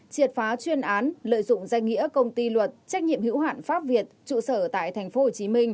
triệt phá chuyên án lợi dụng danh nghĩa công ty luật trách nhiệm hữu hạn pháp việt trụ sở tại tp hcm